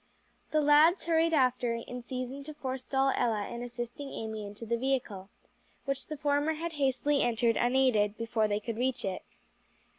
The lads hurried after, in season to forestall Ella in assisting Amy into the vehicle, which the former had hastily entered unaided, before they could reach it.